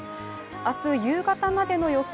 明日夕方までの予想